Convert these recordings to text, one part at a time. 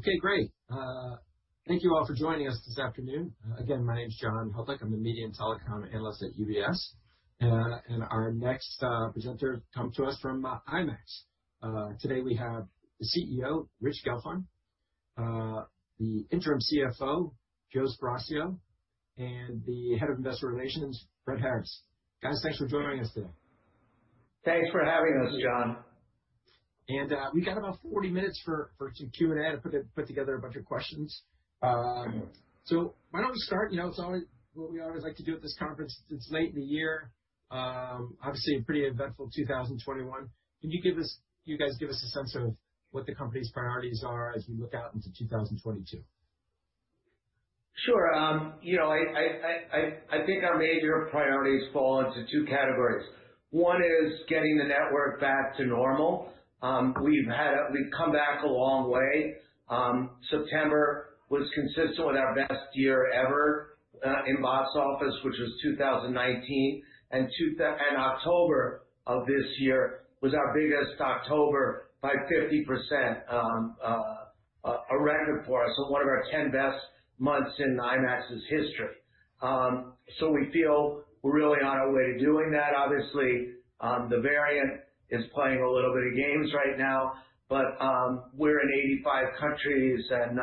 Okay, great. Thank you all for joining us this afternoon. Again, my name's John Hodulik. I'm the Media and Telecom Analyst at UBS. And our next presenter comes to us from IMAX. Today we have the CEO, Rich Gelfond, the Interim CFO, Joe Sparacio, and the head of investor relations, Brett Harris. Guys, thanks for joining us today. Thanks for having us, John. And we've got about 40 minutes for some Q&A to put together a bunch of questions. So why don't we start? You know, it's always what we always like to do at this conference. It's late in the year, obviously a pretty eventful 2021. Can you give us, you guys give us a sense of what the company's priorities are as we look out into 2022? Sure. You know, I think our major priorities fall into two categories. One is getting the network back to normal. We've come back a long way. September was consistent with our best year ever in box office, which was 2019. And October of this year was our biggest October by 50%, a record for us. So one of our 10 best months in IMAX's history. So we feel we're really on our way to doing that. Obviously, the variant is playing a little bit of games right now, but we're in 85 countries and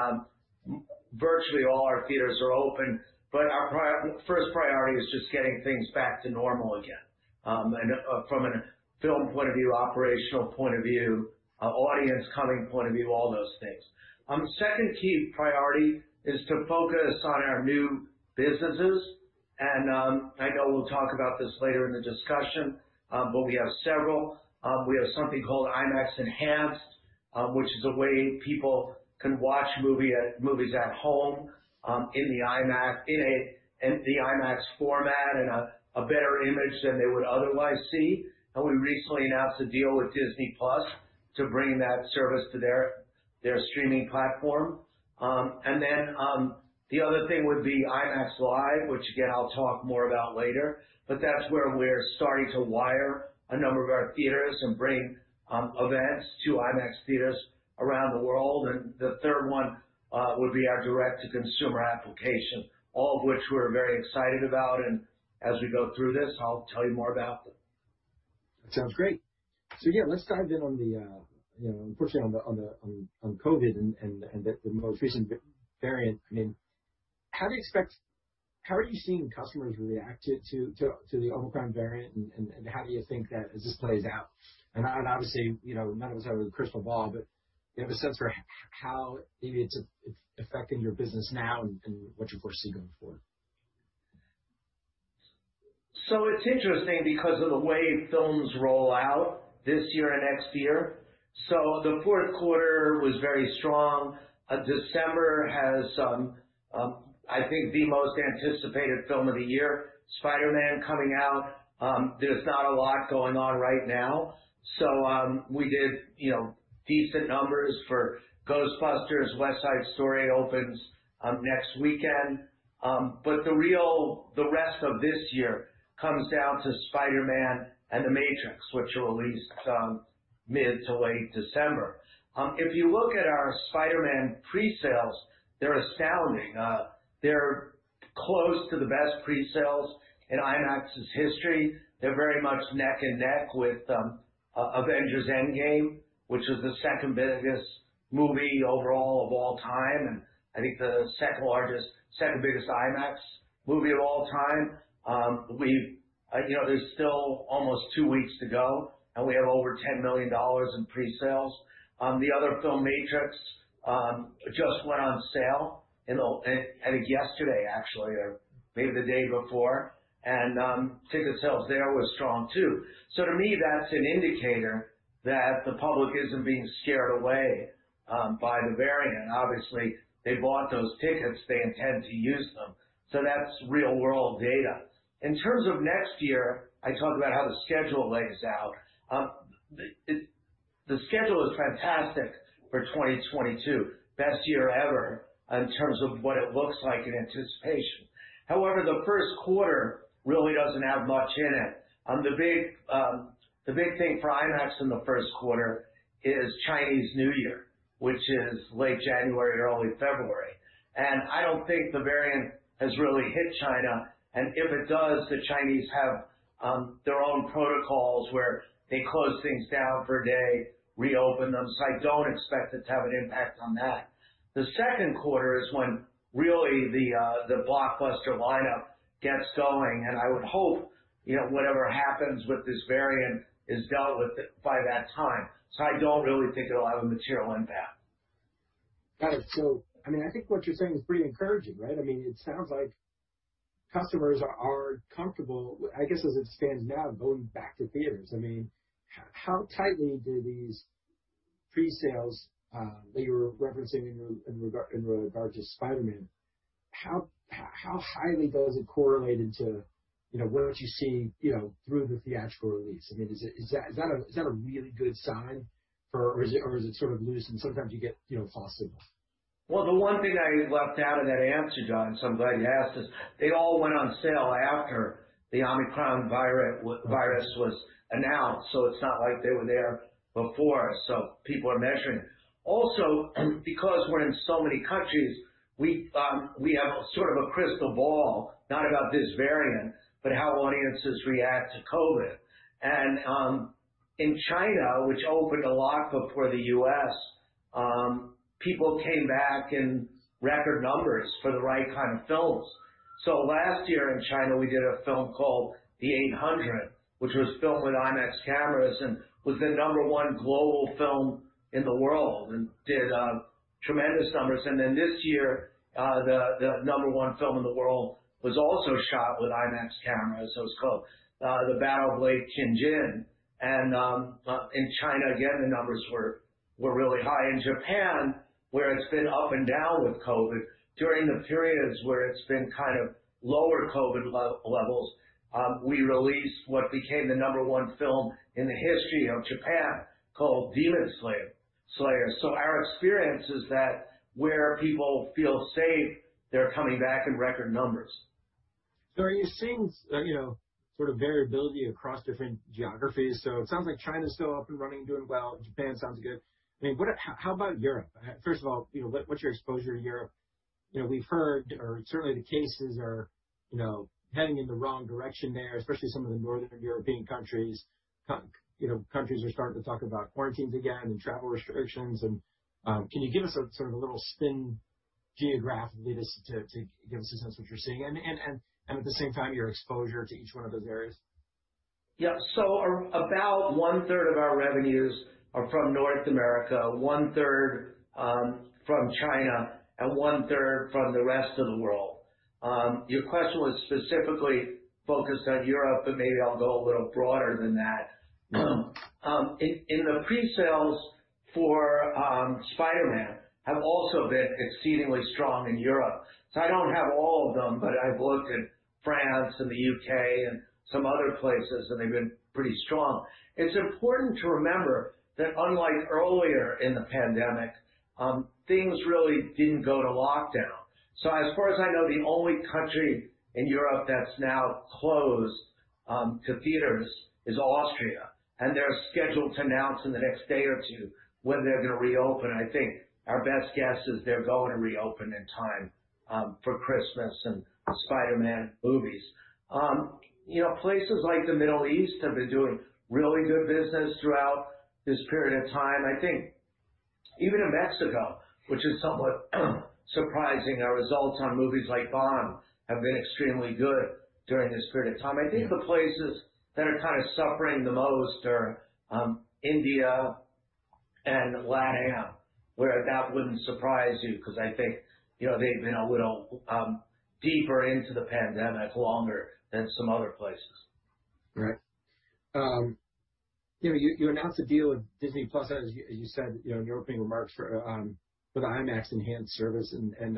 virtually all our theaters are open. But our first priority is just getting things back to normal again. And from a film point of view, operational point of view, audience coming point of view, all those things. Second key priority is to focus on our new businesses. And I know we'll talk about this later in the discussion, but we have several. We have something called IMAX Enhanced, which is a way people can watch movies at home in the IMAX format and a better image than they would otherwise see. And we recently announced a deal with Disney+ to bring that service to their streaming platform. And then the other thing would be IMAX Live, which again, I'll talk more about later. But that's where we're starting to wire a number of our theaters and bring events to IMAX theaters around the world. And the third one would be our direct-to-consumer application, all of which we're very excited about. And as we go through this, I'll tell you more about them. That sounds great. So yeah, let's dive in on the, you know, unfortunately on the COVID and the most recent variant. I mean, how do you expect, how are you seeing customers react to the Omicron variant? And how do you think that as this plays out? And obviously, you know, none of us have a crystal ball, but do you have a sense for how maybe it's affecting your business now and what you foresee going forward? So it's interesting because of the way films roll out this year and next year. So the fourth quarter was very strong. December has, I think, the most anticipated film of the year, Spider-Man coming out. There's not a lot going on right now. So we did, you know, decent numbers for Ghostbusters. West Side Story opens next weekend. But the real, the rest of this year comes down to Spider-Man and The Matrix, which are released mid to late December. If you look at our Spider-Man pre-sales, they're astounding. They're close to the best pre-sales in IMAX's history. They're very much neck and neck with Avengers: Endgame, which is the second biggest movie overall of all time. And I think the second largest, second biggest IMAX movie of all time. We've, you know, there's still almost two weeks to go and we have over $10 million in pre-sales. The other film, Matrix, just went on sale and I think yesterday actually, or maybe the day before, and ticket sales there were strong too, so to me, that's an indicator that the public isn't being scared away by the variant. Obviously, they bought those tickets. They intend to use them, so that's real-world data. In terms of next year, I talked about how the schedule lays out. The schedule is fantastic for 2022, best year ever in terms of what it looks like in anticipation. However, the first quarter really doesn't have much in it. The big thing for IMAX in the first quarter is Chinese New Year, which is late January and early February, and I don't think the variant has really hit China, and if it does, the Chinese have their own protocols where they close things down for a day, reopen them. So I don't expect it to have an impact on that. The second quarter is when really the blockbuster lineup gets going. And I would hope, you know, whatever happens with this variant is dealt with by that time. So I don't really think it'll have a material impact. Got it. So I mean, I think what you're saying is pretty encouraging, right? I mean, it sounds like customers are comfortable, I guess as it stands now, going back to theaters. I mean, how tightly do these pre-sales that you were referencing in regard to Spider-Man, how highly does it correlate into, you know, what you see, you know, through the theatrical release? I mean, is that a really good sign for, or is it sort of loose and sometimes you get, you know, false signals? The one thing I left out in that answer, John, so I'm glad you asked this, they all went on sale after the Omicron virus was announced. It's not like they were there before. People are measuring. Also, because we're in so many countries, we have sort of a crystal ball, not about this variant, but how audiences react to COVID. In China, which opened a lot before the U.S., people came back in record numbers for the right kind of films. Last year in China, we did a film called The Eight Hundred, which was filmed with IMAX cameras and was the number one global film in the world and did tremendous numbers. Then this year, the number one film in the world was also shot with IMAX cameras. It was called The Battle at Lake Changjin. In China, again, the numbers were really high. In Japan, where it's been up and down with COVID, during the periods where it's been kind of lower COVID levels, we released what became the number one film in the history of Japan called Demon Slayer. Our experience is that where people feel safe, they're coming back in record numbers. So are you seeing, you know, sort of variability across different geographies? So it sounds like China's still up and running, doing well. Japan sounds good. I mean, how about Europe? First of all, you know, what's your exposure to Europe? You know, we've heard, or certainly the cases are, you know, heading in the wrong direction there, especially some of the northern European countries. You know, countries are starting to talk about quarantines again and travel restrictions. And can you give us a sort of a little spin geographically to give us a sense of what you're seeing? And at the same time, your exposure to each one of those areas? Yeah. So about one third of our revenues are from North America, one third from China, and one third from the rest of the world. Your question was specifically focused on Europe, but maybe I'll go a little broader than that. In the pre-sales for Spider-Man have also been exceedingly strong in Europe. So I don't have all of them, but I've looked at France and the U.K. and some other places, and they've been pretty strong. It's important to remember that unlike earlier in the pandemic, things really didn't go to lockdown. So as far as I know, the only country in Europe that's now closed to theaters is Austria. And they're scheduled to announce in the next day or two when they're going to reopen. I think our best guess is they're going to reopen in time for Christmas and Spider-Man movies. You know, places like the Middle East have been doing really good business throughout this period of time. I think even in Mexico, which is somewhat surprising, our results on movies like Bond have been extremely good during this period of time. I think the places that are kind of suffering the most are India and LATAM, where that wouldn't surprise you because I think, you know, they've been a little deeper into the pandemic longer than some other places. Right. You know, you announced a deal with Disney+, as you said, you know, in your opening remarks for the IMAX Enhanced service. And,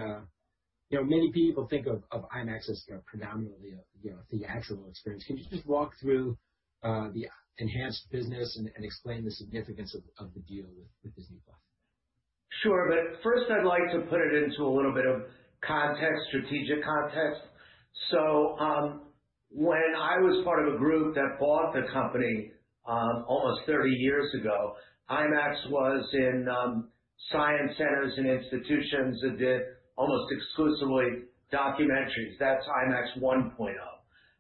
you know, many people think of IMAX as, you know, predominantly a theatrical experience. Can you just walk through the enhanced business and explain the significance of the deal with Disney+? Sure. But first, I'd like to put it into a little bit of context, strategic context. So when I was part of a group that bought the company almost 30 years ago, IMAX was in science centers and institutions that did almost exclusively documentaries. That's IMAX 1.0.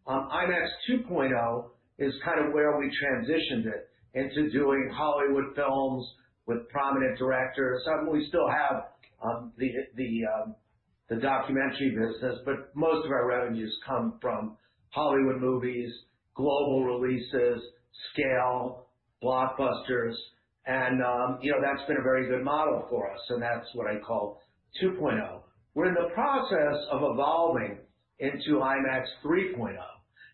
IMAX 2.0 is kind of where we transitioned it into doing Hollywood films with prominent directors. We still have the documentary business, but most of our revenues come from Hollywood movies, global releases, scale, blockbusters. And, you know, that's been a very good model for us. And that's what I call 2.0. We're in the process of evolving into IMAX 3.0.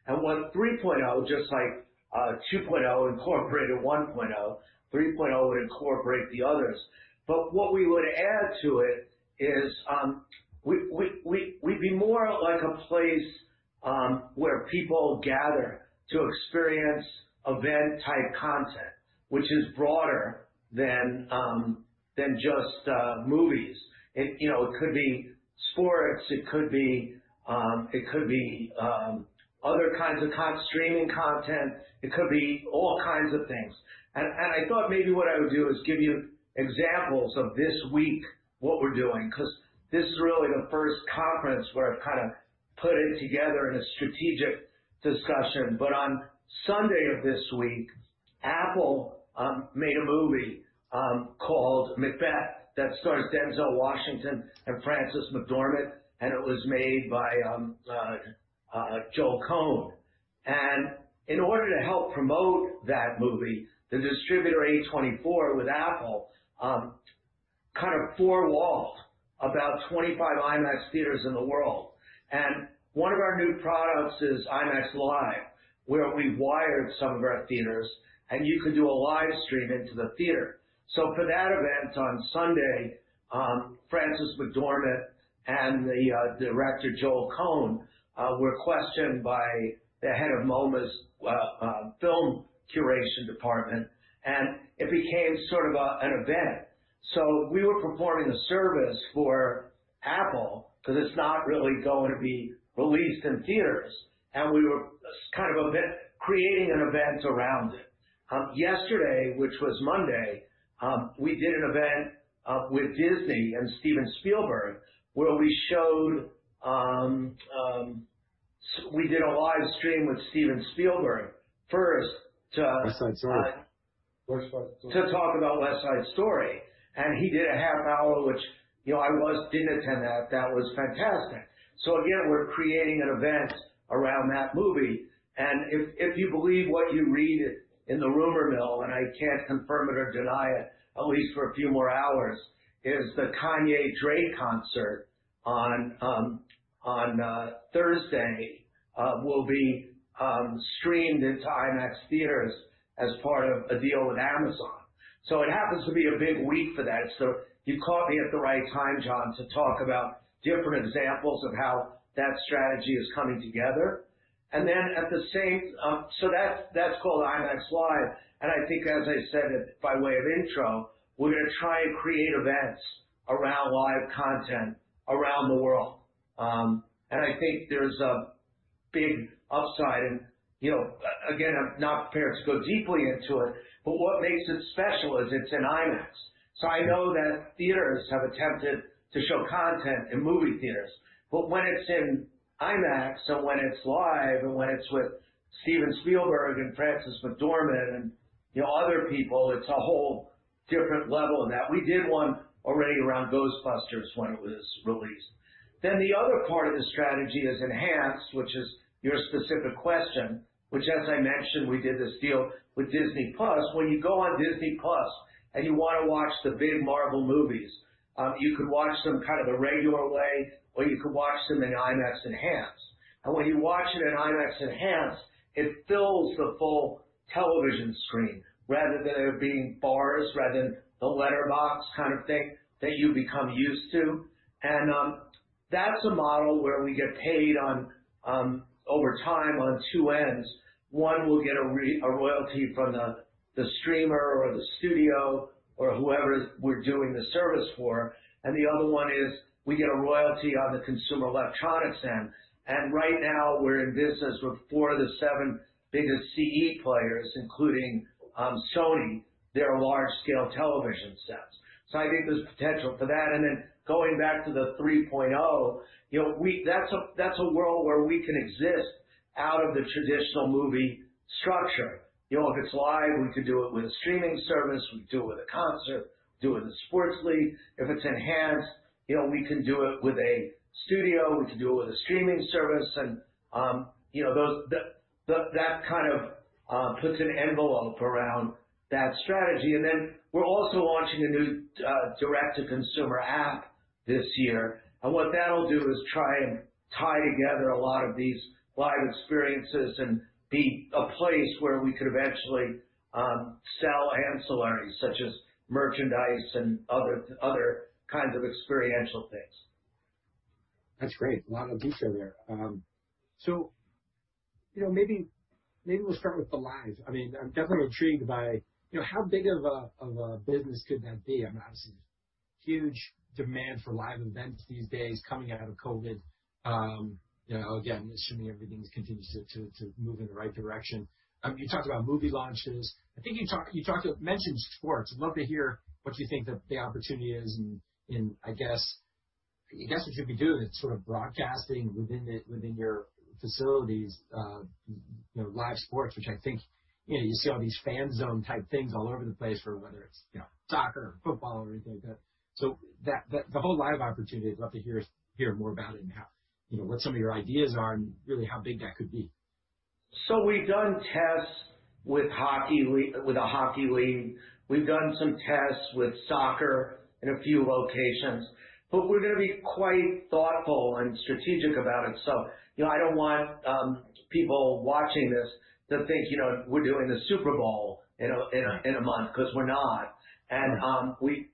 And what 3.0, just like 2.0 incorporated 1.0, 3.0 would incorporate the others. But what we would add to it is we'd be more like a place where people gather to experience event-type content, which is broader than just movies. You know, it could be sports. It could be other kinds of streaming content. It could be all kinds of things. I thought maybe what I would do is give you examples of this week, what we're doing, because this is really the first conference where I've kind of put it together in a strategic discussion. On Sunday of this week, Apple made a movie called Macbeth that stars Denzel Washington and Frances McDormand. It was made by Joel Coen. In order to help promote that movie, the distributor A24 with Apple kind of four-walled about 25 IMAX theaters in the world. One of our new products is IMAX Live, where we wired some of our theaters and you could do a live stream into the theater. For that event on Sunday, Frances McDormand and the director Joel Coen were questioned by the head of MoMA's film curation department. And it became sort of an event. So we were performing a service for Apple because it's not really going to be released in theaters. And we were kind of creating an event around it. Yesterday, which was Monday, we did an event with Disney and Steven Spielberg, where we showed, we did a live stream with Steven Spielberg first to talk about West Side Story. And he did a half hour, which, you know, I was, didn't attend that. That was fantastic. So again, we're creating an event around that movie. If you believe what you read in the rumor mill, and I can't confirm it or deny it, at least for a few more hours, is the Kanye Drake concert on Thursday will be streamed into IMAX theaters as part of a deal with Amazon. It happens to be a big week for that. You caught me at the right time, John, to talk about different examples of how that strategy is coming together. Then at the same, that's called IMAX Live. I think, as I said by way of intro, we're going to try and create events around live content around the world. I think there's a big upside. You know, again, I'm not prepared to go deeply into it, but what makes it special is it's in IMAX. I know that theaters have attempted to show content in movie theaters. But when it's in IMAX and when it's live and when it's with Steven Spielberg and Frances McDormand and, you know, other people, it's a whole different level of that. We did one already around Ghostbusters when it was released. Then the other part of the strategy is enhanced, which is your specific question, which, as I mentioned, we did this deal with Disney+. When you go on Disney+ and you want to watch the big Marvel movies, you could watch them kind of the regular way or you could watch them in IMAX Enhanced. And when you watch it in IMAX Enhanced, it fills the full television screen rather than it being bars, rather than the letterbox kind of thing that you become used to. And that's a model where we get paid over time on two ends. One will get a royalty from the streamer or the studio or whoever we're doing the service for. And the other one is we get a royalty on the consumer electronics end. And right now we're in business with four of the seven biggest CE players, including Sony. They're large-scale television sets. So I think there's potential for that. And then going back to the 3.0, you know, that's a world where we can exist out of the traditional movie structure. You know, if it's live, we could do it with a streaming service. We could do it with a concert, do it with a sports league. If it's enhanced, you know, we can do it with a studio. We could do it with a streaming service. You know, that kind of puts an envelope around that strategy. We're also launching a new direct-to-consumer app this year. What that'll do is try and tie together a lot of these live experiences and be a place where we could eventually sell ancillaries such as merchandise and other kinds of experiential things. That's great. A lot of detail there. So, you know, maybe we'll start with the live. I mean, I'm definitely intrigued by, you know, how big of a business could that be? I mean, obviously, there's huge demand for live events these days coming out of COVID. You know, again, assuming everything continues to move in the right direction. You talked about movie launches. I think you mentioned sports. I'd love to hear what you think that the opportunity is and, I guess, what you'd be doing is sort of broadcasting within your facilities, you know, live sports, which I think, you know, you see all these fan zone type things all over the place for whether it's, you know, soccer or football or anything like that. So the whole live opportunity, I'd love to hear more about it and how, you know, what some of your ideas are and really how big that could be. So we've done tests with a hockey league. We've done some tests with soccer in a few locations, but we're going to be quite thoughtful and strategic about it. So, you know, I don't want people watching this to think, you know, we're doing the Super Bowl in a month because we're not. And we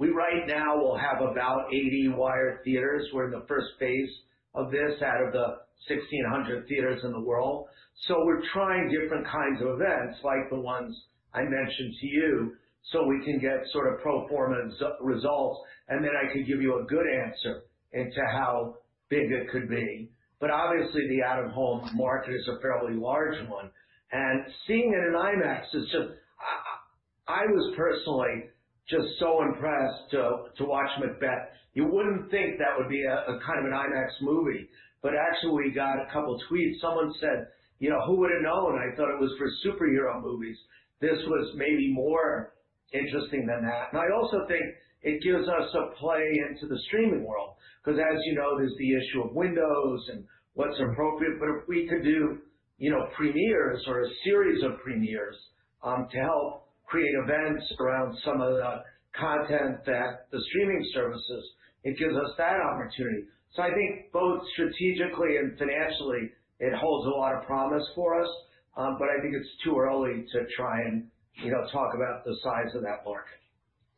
right now will have about 80 wired theaters. We're in the first phase of this out of the 1,600 theaters in the world. So we're trying different kinds of events like the ones I mentioned to you so we can get sort of pro forma results. And then I could give you a good answer into how big it could be. But obviously, the out-of-home market is a fairly large one. And seeing it in IMAX is just, I was personally just so impressed to watch Macbeth. You wouldn't think that would be a kind of an IMAX movie, but actually we got a couple of tweets. Someone said, you know, who would have known? I thought it was for superhero movies. This was maybe more interesting than that. And I also think it gives us a play into the streaming world because, as you know, there's the issue of windows and what's appropriate. But if we could do, you know, premieres or a series of premieres to help create events around some of the content that the streaming services, it gives us that opportunity. So I think both strategically and financially, it holds a lot of promise for us. But I think it's too early to try and, you know, talk about the size of that market.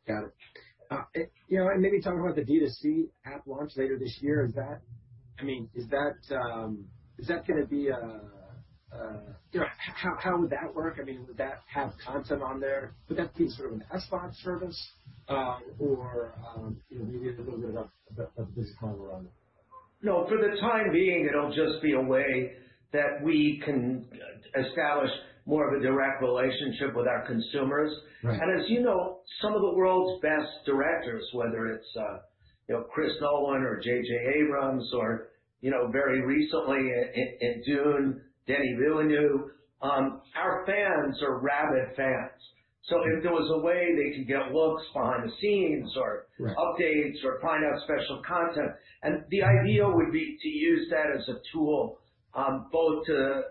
Got it. You know, and maybe talk about the D2C app launch later this year. Is that, I mean, is that going to be, you know, how would that work? I mean, would that have content on there? Would that be sort of an SVOD service or, you know, maybe a little bit of a business model around it? No, for the time being, it'll just be a way that we can establish more of a direct relationship with our consumers. And as you know, some of the world's best directors, whether it's, you know, Chris Nolan or J.J. Abrams or, you know, very recently in Dune, Denis Villeneuve, our fans are rabid fans. So if there was a way they could get looks behind the scenes or updates or find out special content. And the idea would be to use that as a tool both to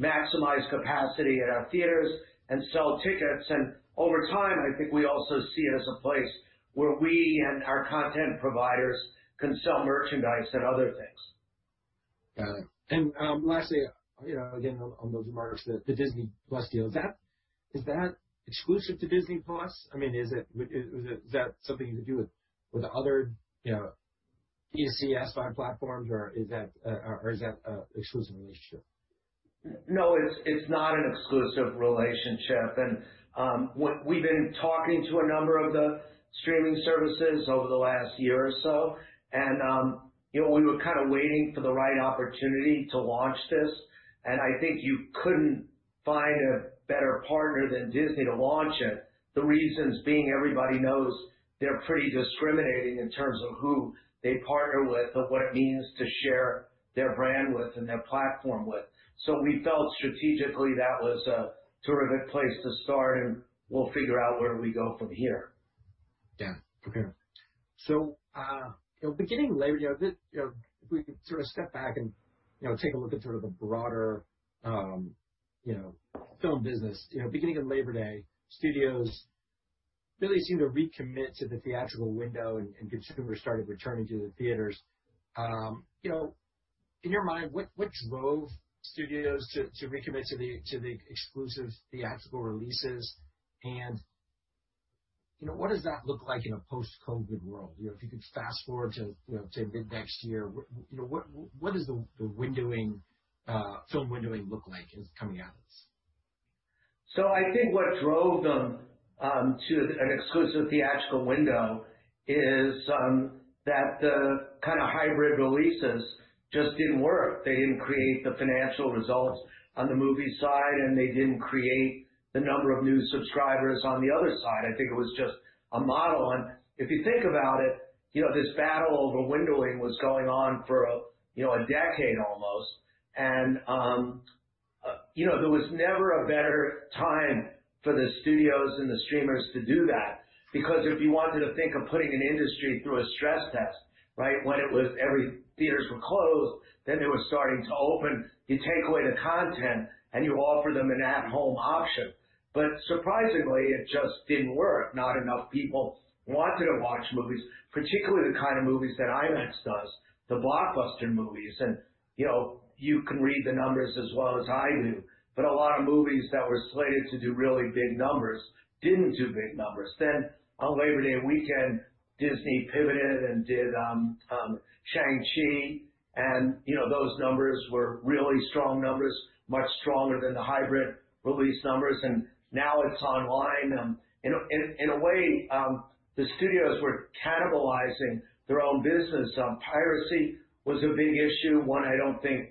maximize capacity at our theaters and sell tickets. And over time, I think we also see it as a place where we and our content providers can sell merchandise and other things. Got it. And lastly, you know, again, on those remarks, the Disney+ deal, is that exclusive to Disney+? I mean, is that something you could do with other, you know, SVOD platforms or is that an exclusive relationship? No, it's not an exclusive relationship. And we've been talking to a number of the streaming services over the last year or so. And, you know, we were kind of waiting for the right opportunity to launch this. And I think you couldn't find a better partner than Disney to launch it. The reasons being everybody knows they're pretty discriminating in terms of who they partner with and what it means to share their brand with and their platform with. So we felt strategically that was a terrific place to start and we'll figure out where we go from here. Yeah. Okay. So, you know, beginning in Labor Day, you know, if we sort of step back and, you know, take a look at sort of the broader, you know, film business, you know, beginning in Labor Day, studios really seem to recommit to the theatrical window and consumers started returning to the theaters. You know, in your mind, what drove studios to recommit to the exclusive theatrical releases? And, you know, what does that look like in a post-COVID world? You know, if you could fast forward to mid next year, you know, what does the windowing, film windowing look like as coming out of this? So I think what drove them to an exclusive theatrical window is that the kind of hybrid releases just didn't work. They didn't create the financial results on the movie side and they didn't create the number of new subscribers on the other side. I think it was just a model. And if you think about it, you know, this battle over windowing was going on for, you know, a decade almost. And, you know, there was never a better time for the studios and the streamers to do that because if you wanted to think of putting an industry through a stress test, right, when it was every theaters were closed, then they were starting to open, you take away the content and you offer them an at-home option. But surprisingly, it just didn't work. Not enough people wanted to watch movies, particularly the kind of movies that IMAX does, the blockbuster movies, and you know, you can read the numbers as well as I do, but a lot of movies that were slated to do really big numbers didn't do big numbers, then on Labor Day weekend, Disney pivoted and did Shang-Chi, and you know, those numbers were really strong numbers, much stronger than the hybrid release numbers, and now it's online. In a way, the studios were cannibalizing their own business. Piracy was a big issue, one I don't think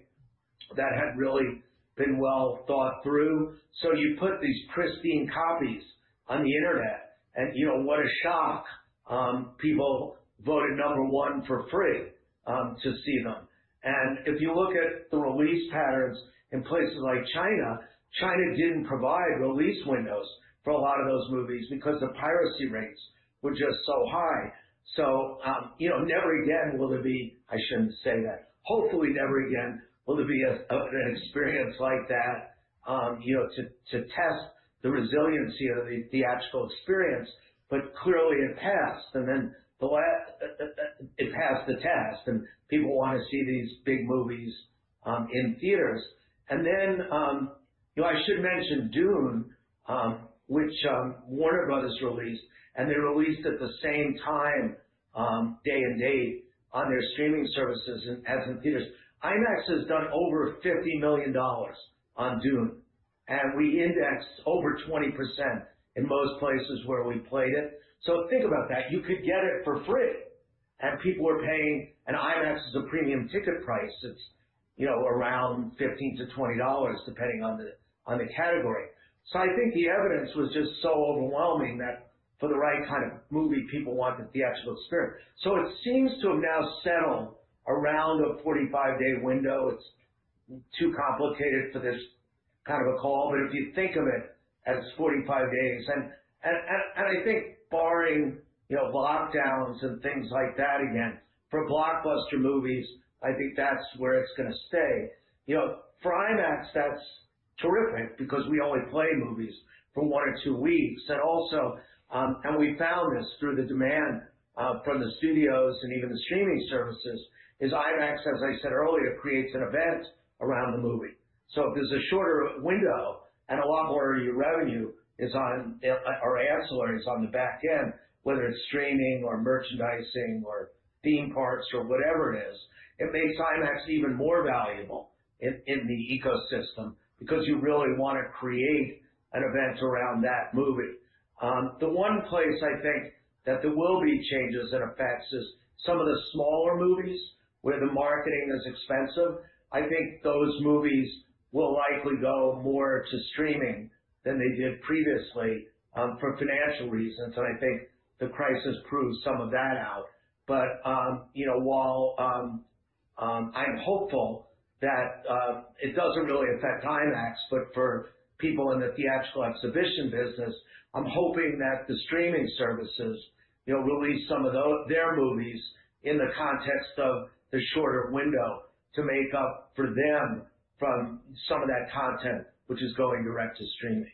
that had really been well thought through, so you put these pristine copies on the internet and, you know, what a shock, people voted number one for free to see them. And if you look at the release patterns in places like China, China didn't provide release windows for a lot of those movies because the piracy rates were just so high. So, you know, never again will there be, I shouldn't say that, hopefully never again will there be an experience like that, you know, to test the resiliency of the theatrical experience, but clearly it passed. And then it passed the test and people want to see these big movies in theaters. And then, you know, I should mention Dune, which Warner Bros. released, and they released it at the same time, day and date, on their streaming services and in theaters. IMAX has done over $50 million on Dune. And we indexed over 20% in most places where we played it. So think about that. You could get it for free and people were paying, and IMAX is a premium ticket price. It's, you know, around $15-$20 depending on the category. So I think the evidence was just so overwhelming that for the right kind of movie, people want the theatrical experience. So it seems to have now settled around a 45-day window. It's too complicated for this kind of a call, but if you think of it as 45 days, and I think barring, you know, lockdowns and things like that, again, for blockbuster movies, I think that's where it's going to stay. You know, for IMAX, that's terrific because we only play movies for one or two weeks. And also, we found this through the demand from the studios and even the streaming services is IMAX, as I said earlier, creates an event around the movie. So if there's a shorter window and a lot more of your revenue is on the ancillaries on the back end, whether it's streaming or merchandising or theme parks or whatever it is, it makes IMAX even more valuable in the ecosystem because you really want to create an event around that movie. The one place I think that there will be changes and effects is some of the smaller movies where the marketing is expensive. I think those movies will likely go more to streaming than they did previously for financial reasons. And I think the crisis proves some of that out. But, you know, while I'm hopeful that it doesn't really affect IMAX, but for people in the theatrical exhibition business, I'm hoping that the streaming services, you know, release some of their movies in the context of the shorter window to make up for them from some of that content, which is going direct to streaming.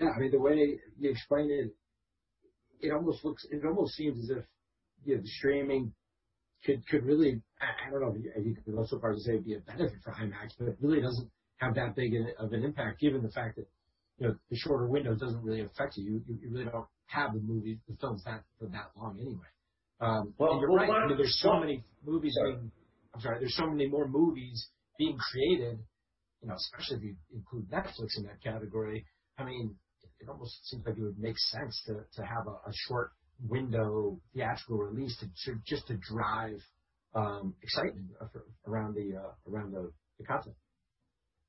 Yeah. I mean, the way you explain it, it almost looks, it almost seems as if, you know, the streaming could really, I don't know if you could go so far as to say it'd be a benefit for IMAX, but it really doesn't have that big of an impact given the fact that, you know, the shorter window doesn't really affect you. You really don't have the movies, the films that for that long anyway. I mean. I mean, there's so many more movies being created, you know, especially if you include Netflix in that category. I mean, it almost seems like it would make sense to have a short window theatrical release just to drive excitement around the content.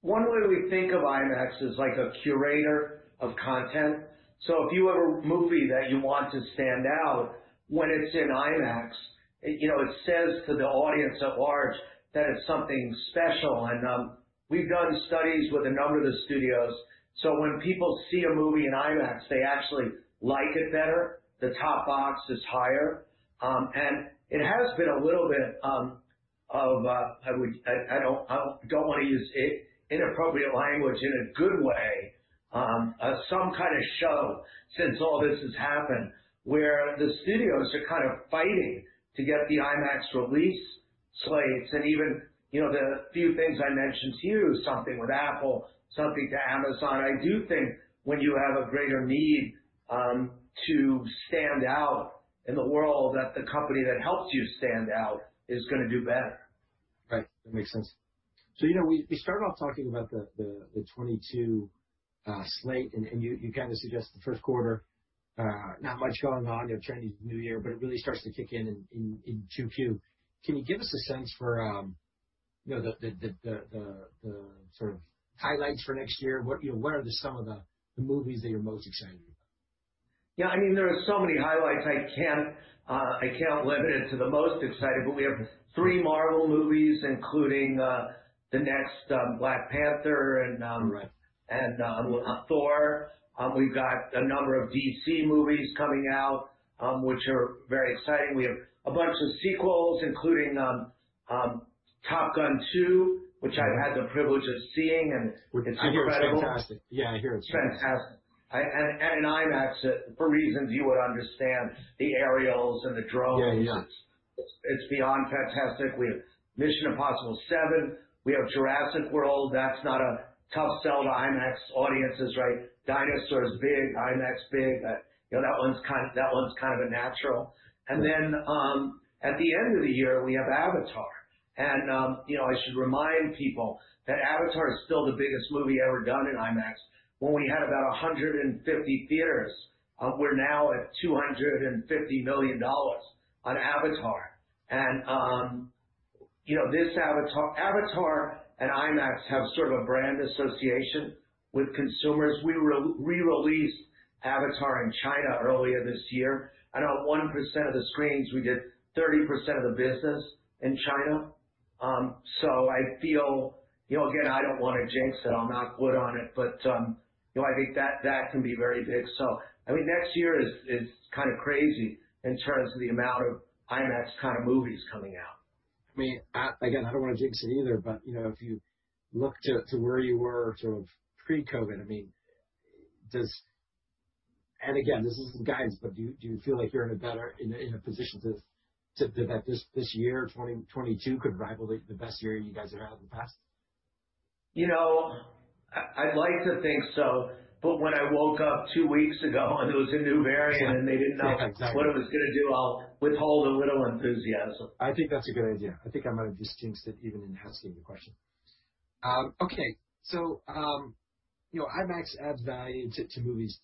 One way we think of IMAX is like a curator of content. So if you have a movie that you want to stand out, when it's in IMAX, you know, it says to the audience at large that it's something special. And we've done studies with a number of the studios. So when people see a movie in IMAX, they actually like it better. The Top Box is higher. And it has been a little bit of, I don't want to use inappropriate language in a good way, some kind of show since all this has happened where the studios are kind of fighting to get the IMAX release slates. And even, you know, the few things I mentioned to you, something with Apple, something with Amazon. I do think when you have a greater need to stand out in the world, that the company that helps you stand out is going to do better. Right. That makes sense. So, you know, we started off talking about the 2022 slate and you kind of suggest the first quarter, not much going on, you know, Chinese New Year, but it really starts to kick in in 2Q. Can you give us a sense for, you know, the sort of highlights for next year? What are some of the movies that you're most excited about? Yeah. I mean, there are so many highlights. I can't limit it to the most exciting, but we have three Marvel movies, including the next Black Panther and Thor. We've got a number of DC movies coming out, which are very exciting. We have a bunch of sequels, including Top Gun 2, which I've had the privilege of seeing and it's incredible. Fantastic. Yeah, I hear it's fantastic. Fantastic. And IMAX, for reasons you would understand, the aerials and the drones, it's beyond fantastic. We have Mission Impossible 7. We have Jurassic World. That's not a tough sell to IMAX audiences, right? Dinosaurs big, IMAX big. You know, that one's kind of, that one's kind of a natural. And then at the end of the year, we have Avatar. And, you know, I should remind people that Avatar is still the biggest movie ever done in IMAX. When we had about 150 theaters, we're now at $250 million on Avatar. And, you know, this Avatar, Avatar and IMAX have sort of a brand association with consumers. We re-released Avatar in China earlier this year. And on 1% of the screens, we did 30% of the business in China. So I feel, you know, again, I don't want to jinx it. I'll knock on wood, but, you know, I think that that can be very big. So, I mean, next year is kind of crazy in terms of the amount of IMAX kind of movies coming out. I mean, again, I don't want to jinx it either, but, you know, if you look to where you were sort of pre-COVID, I mean, and again, this is guidance, but do you feel like you're in a better position to bet this year, 2022, could rival the best year you guys have had in the past? You know, I'd like to think so, but when I woke up two weeks ago and there was a new variant and they didn't know what it was going to do, I'll withhold a little enthusiasm. I think that's a good idea. I think I might have just jinxed it even in asking the question. Okay. So, you know, IMAX adds value to movies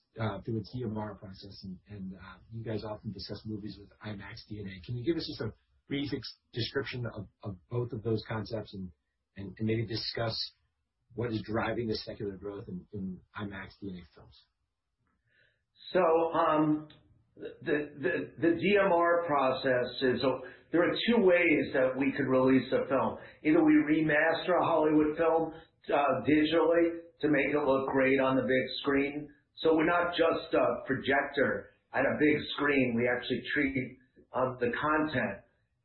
through its DMR process and you guys often discuss movies with IMAX DNA. Can you give us just a brief description of both of those concepts and maybe discuss what is driving the secular growth in IMAX DNA films? So the DMR process is, so there are two ways that we could release a film. Either we remaster a Hollywood film digitally to make it look great on the big screen. So we're not just a projector at a big screen. We actually treat the content.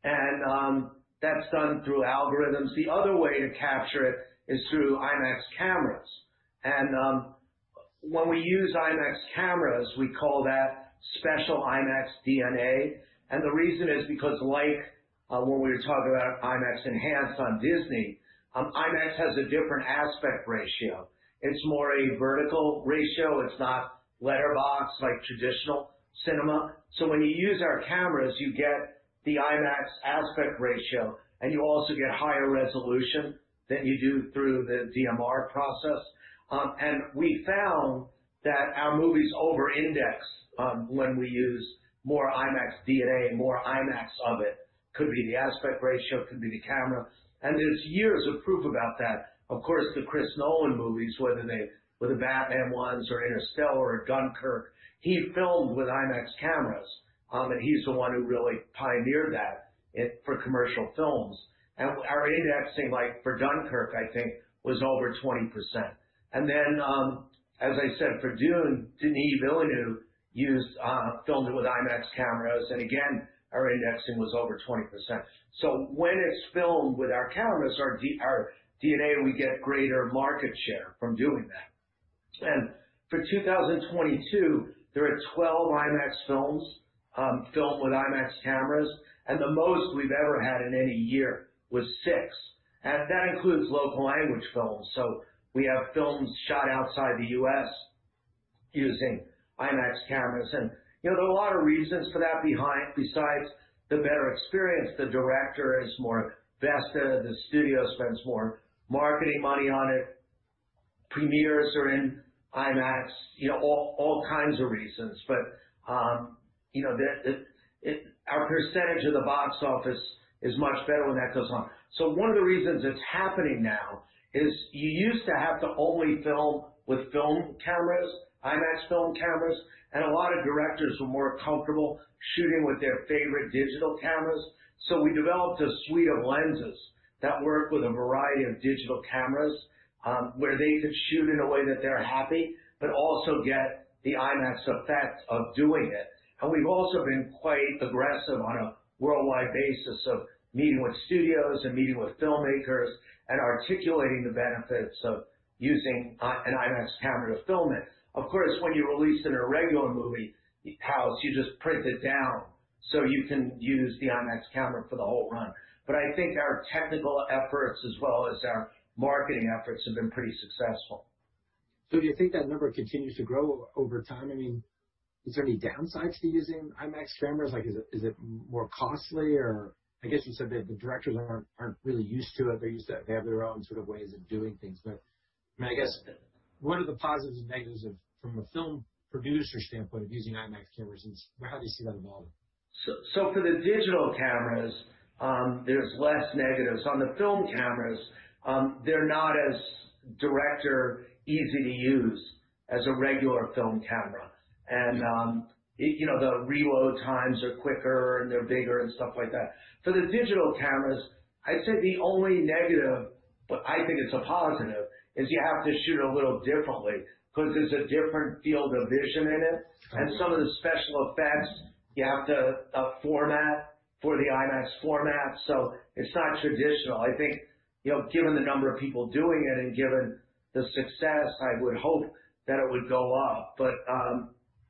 And that's done through algorithms. The other way to capture it is through IMAX cameras. And when we use IMAX cameras, we call that special IMAX DNA. And the reason is because, like when we were talking about IMAX Enhanced on Disney, IMAX has a different aspect ratio. It's more a vertical ratio. It's not letterbox like traditional cinema. So when you use our cameras, you get the IMAX aspect ratio and you also get higher resolution than you do through the DMR process. We found that our movies over-index when we use more IMAX DNA. More IMAX of it could be the aspect ratio, could be the camera. There's years of proof about that. Of course, the Christopher Nolan movies, whether they were the Batman ones or Interstellar or Dunkirk, he filmed with IMAX cameras. He's the one who really pioneered that for commercial films. Our indexing, like for Dunkirk, I think was over 20%. Then, as I said, for Dune, Denis Villeneuve filmed it with IMAX cameras. Again, our indexing was over 20%. When it's filmed with our cameras, our DNA, we get greater market share from doing that. For 2022, there are 12 IMAX films filmed with IMAX cameras. The most we've ever had in any year was six. That includes local language films. So we have films shot outside the U.S. using IMAX cameras. And, you know, there are a lot of reasons behind that, besides the better experience. The director is more vested. The studio spends more marketing money on it. Premieres are in IMAX, you know, all kinds of reasons. But, you know, our percentage of the box office is much better when that goes on. So one of the reasons it's happening now is you used to have to only film with film cameras, IMAX film cameras. And a lot of directors were more comfortable shooting with their favorite digital cameras. So we developed a suite of lenses that work with a variety of digital cameras where they could shoot in a way that they're happy, but also get the IMAX effect of doing it. We've also been quite aggressive on a worldwide basis of meeting with studios and meeting with filmmakers and articulating the benefits of using an IMAX camera to film it. Of course, when you release in a regular movie house, you just print it down so you can use the IMAX camera for the whole run. I think our technical efforts as well as our marketing efforts have been pretty successful. So do you think that number continues to grow over time? I mean, is there any downside to using IMAX cameras? Like, is it more costly or I guess you said that the directors aren't really used to it. They have their own sort of ways of doing things. But, I mean, I guess what are the positives and negatives from a film producer standpoint of using IMAX cameras? And how do you see that evolving? So for the digital cameras, there's less negatives. On the film cameras, they're not as director-friendly to use as a regular film camera. And, you know, the rewind times are quicker and they're bigger and stuff like that. For the digital cameras, I'd say the only negative, but I think it's a positive, is you have to shoot it a little differently because there's a different field of view in it. And some of the special effects, you have to format for the IMAX format. So it's not traditional. I think, you know, given the number of people doing it and given the success, I would hope that it would go up. But,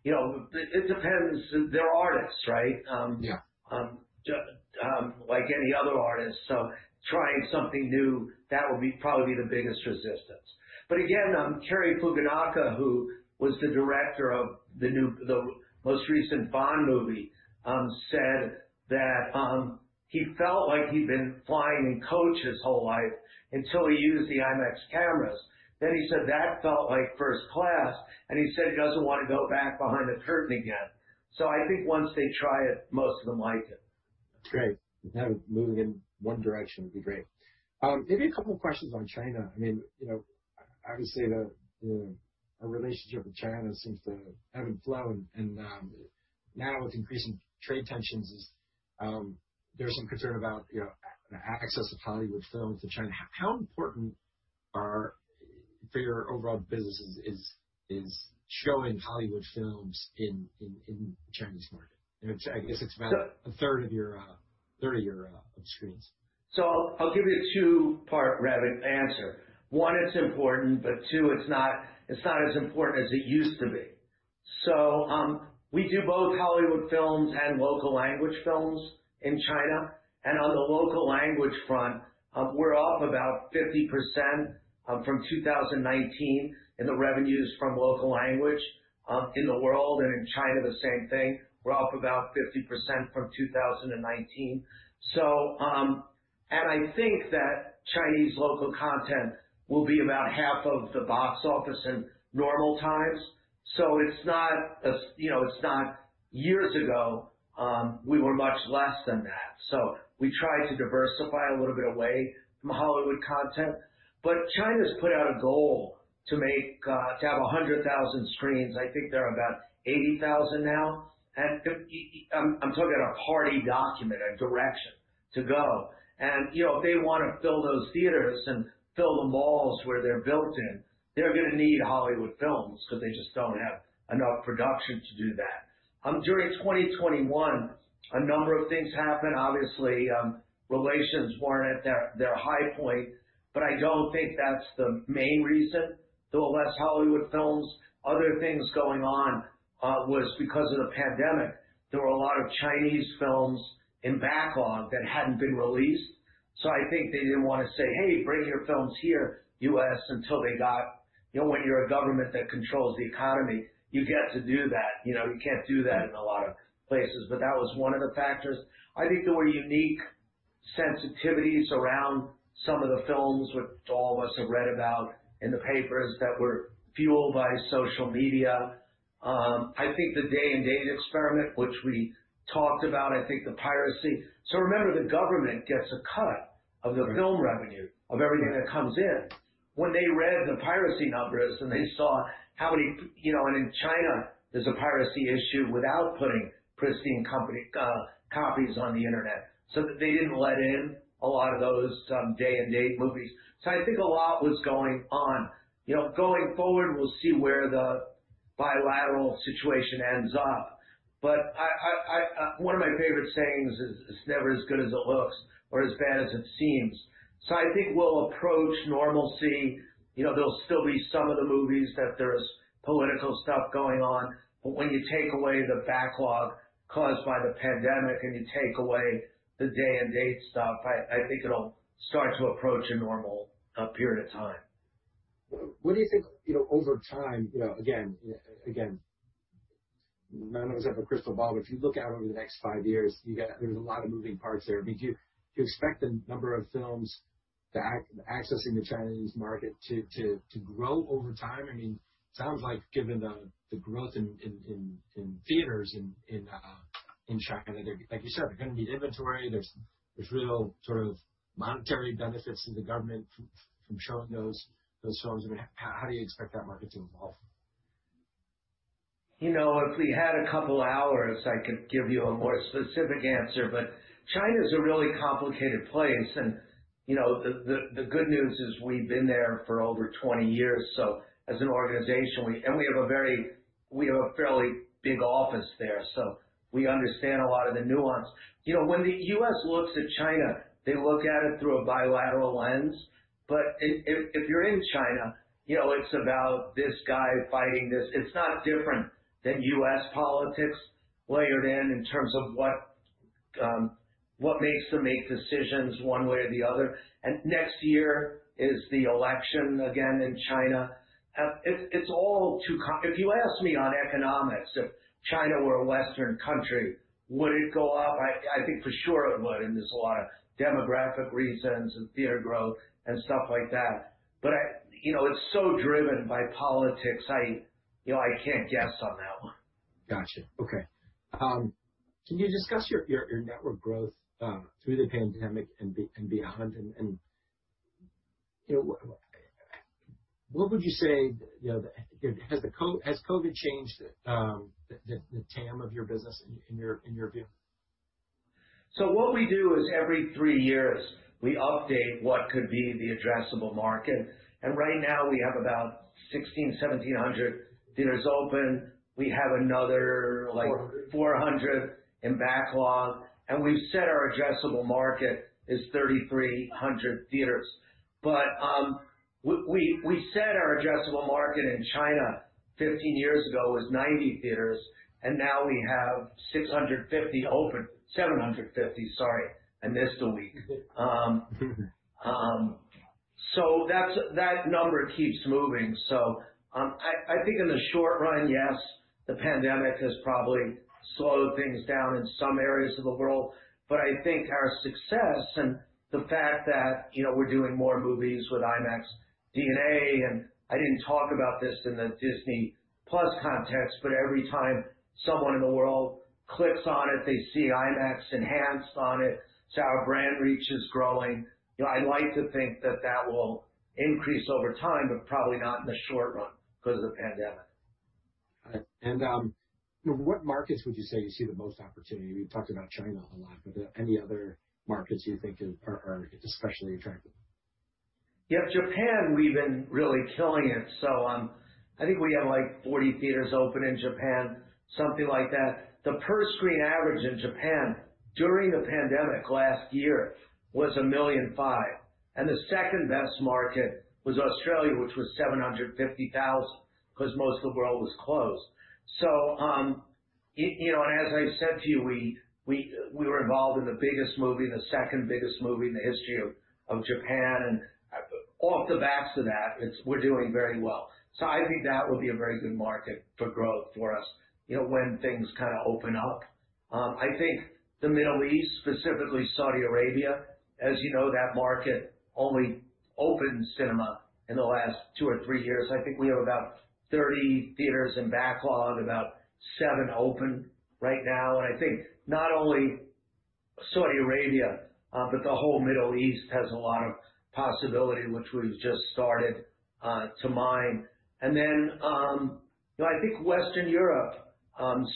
you know, it depends. They're artists, right? Yeah. Like any other artist. So trying something new, that would probably be the biggest resistance. But again, Cary Fukunaga, who was the director of the most recent Bond movie, said that he felt like he'd been flying in coaches his whole life until he used the IMAX cameras. Then he said that felt like first class. And he said he doesn't want to go back behind the curtain again. So I think once they try it, most of them like it. That's great. Moving in one direction would be great. Maybe a couple of questions on China. I mean, you know, obviously our relationship with China seems to ebb and flow. And now with increasing trade tensions, there's some concern about, you know, access of Hollywood films to China. How important for your overall business is showing Hollywood films in the Chinese market? I guess it's about a third of your screens. So I'll give you a two-part answer. One, it's important, but two, it's not as important as it used to be. So we do both Hollywood films and local language films in China. And on the local language front, we're up about 50% from 2019 in the revenues from local language in the world. And in China, the same thing. We're up about 50% from 2019. So, and I think that Chinese local content will be about half of the box office in normal times. So it's not, you know, it's not years ago, we were much less than that. So we tried to diversify a little bit away from Hollywood content. But China's put out a goal to have 100,000 screens. I think there are about 80,000 now. And I'm talking about a party document, a direction to go. You know, if they want to fill those theaters and fill the malls where they're built in, they're going to need Hollywood films because they just don't have enough production to do that. During 2021, a number of things happened. Obviously, relations weren't at their high point, but I don't think that's the main reason. There were less Hollywood films. Other things going on was because of the pandemic. There were a lot of Chinese films in backlog that hadn't been released. I think they didn't want to say, "Hey, bring your films here, U.S.," until they got, you know, when you're a government that controls the economy, you get to do that. You know, you can't do that in a lot of places. That was one of the factors. I think there were unique sensitivities around some of the films which all of us have read about in the papers that were fueled by social media. I think the day-and-date experiment, which we talked about, I think the piracy. So remember, the government gets a cut of the film revenue of everything that comes in. When they read the piracy numbers and they saw how many, you know, and in China, there's a piracy issue without putting pristine company copies on the internet. So they didn't let in a lot of those day-and-date movies. So I think a lot was going on. You know, going forward, we'll see where the bilateral situation ends up. But one of my favorite sayings is, "It's never as good as it looks or as bad as it seems." So I think we'll approach normalcy. You know, there'll still be some of the movies that there's political stuff going on. But when you take away the backlog caused by the pandemic and you take away the day-and-date stuff, I think it'll start to approach a normal period of time. What do you think, you know, over time, you know, again, none of us have a crystal ball, but if you look out over the next five years, there's a lot of moving parts there. I mean, do you expect the number of films accessing the Chinese market to grow over time? I mean, it sounds like given the growth in theaters in China, like you said, they're going to need inventory. There's real sort of monetary benefits to the government from showing those films. I mean, how do you expect that market to evolve? You know, if we had a couple of hours, I could give you a more specific answer. But China's a really complicated place. And, you know, the good news is we've been there for over 20 years. So as an organization, and we have a very, we have a fairly big office there. So we understand a lot of the nuance. You know, when the U.S. looks at China, they look at it through a bilateral lens. But if you're in China, you know, it's about this guy fighting this. It's not different than U.S. politics layered in in terms of what makes them make decisions one way or the other. And next year is the election again in China. It's all too, if you ask me on economics, if China were a Western country, would it go up? I think for sure it would. There's a lot of demographic reasons and theater growth and stuff like that. You know, it's so driven by politics. I, you know, I can't guess on that one. Gotcha. Okay. Can you discuss your network growth through the pandemic and beyond, and you know, what would you say, you know, has COVID changed the TAM of your business in your view? So what we do is every three years, we update what could be the addressable market. And right now, we have about 1,600, 1,700 theaters open. We have another like 400 in backlog. And we've set our addressable market as 3,300 theaters. But we set our addressable market in China 15 years ago was 90 theaters. And now we have 650 open, 750, sorry, in this week. So that number keeps moving. So I think in the short run, yes, the pandemic has probably slowed things down in some areas of the world. But I think our success and the fact that, you know, we're doing more movies with IMAX DNA. And I didn't talk about this in the Disney+ context, but every time someone in the world clicks on it, they see IMAX Enhanced on it. So our brand reach is growing. You know, I'd like to think that that will increase over time, but probably not in the short run because of the pandemic. And what markets would you say you see the most opportunity? We've talked about China a lot, but any other markets you think are especially attractive? Yep, Japan, we've been really killing it. So I think we have like 40 theaters open in Japan, something like that. The per-screen average in Japan during the pandemic last year was $1.5 million. And the second best market was Australia, which was $750,000 because most of the world was closed. So, you know, and as I said to you, we were involved in the biggest movie, the second biggest movie in the history of Japan. And off the backs of that, we're doing very well. So I think that would be a very good market for growth for us, you know, when things kind of open up. I think the Middle East, specifically Saudi Arabia, as you know, that market only opened cinema in the last two or three years. I think we have about 30 theaters in backlog, about seven open right now. And I think not only Saudi Arabia, but the whole Middle East has a lot of possibility, which we've just started to mine. And then, you know, I think Western Europe,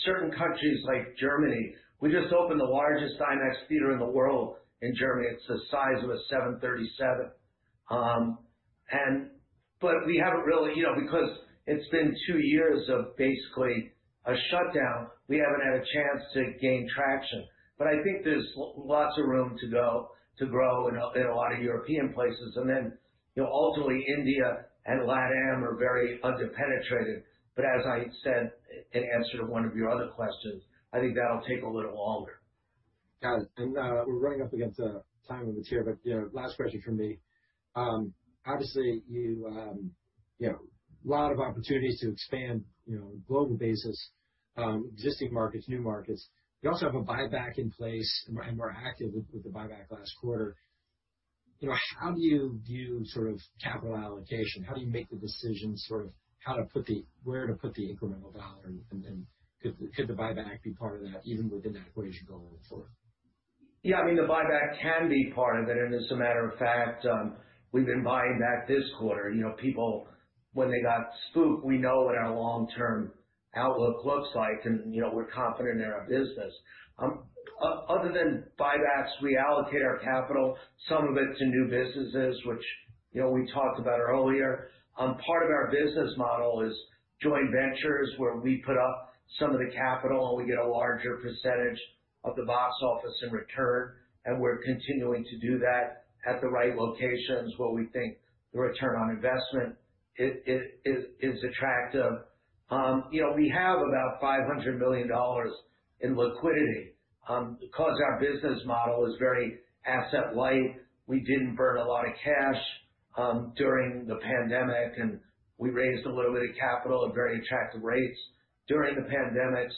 certain countries like Germany, we just opened the largest IMAX theater in the world in Germany. It's the size of a 737. And, but we haven't really, you know, because it's been two years of basically a shutdown, we haven't had a chance to gain traction. But I think there's lots of room to go to grow in a lot of European places. And then, you know, ultimately India and LATAM are very under-penetrated. But as I said in answer to one of your other questions, I think that'll take a little longer. Got it. And we're running up against the time limits here, but, you know, last question from me. Obviously, you know, a lot of opportunities to expand, you know, global basis, existing markets, new markets. You also have a buyback in place and were active with the buyback last quarter. You know, how do you view sort of capital allocation? How do you make the decisions sort of how to put the, where to put the incremental dollar? And could the buyback be part of that even within that equation going forward? Yeah, I mean, the buyback can be part of it. And as a matter of fact, we've been buying back this quarter. You know, people, when they got spooked, we know what our long-term outlook looks like. And, you know, we're confident in our business. Other than buybacks, we allocate our capital, some of it to new businesses, which, you know, we talked about earlier. Part of our business model is joint ventures where we put up some of the capital and we get a larger percentage of the box office in return. And we're continuing to do that at the right locations where we think the return on investment is attractive. You know, we have about $500 million in liquidity because our business model is very asset-light. We didn't burn a lot of cash during the pandemic. We raised a little bit of capital at very attractive rates during the pandemic.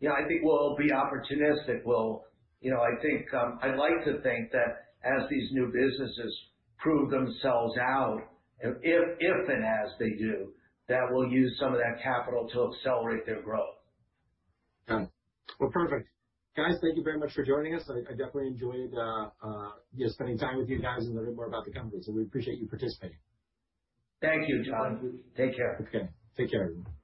You know, I think we'll be opportunistic. We'll, you know, I think I'd like to think that as these new businesses prove themselves out, if and as they do, that we'll use some of that capital to accelerate their growth. Well, perfect. Guys, thank you very much for joining us. I definitely enjoyed, you know, spending time with you guys and learning more about the company. So we appreciate you participating. Thank you, John. Take care. Okay. Take care, everyone.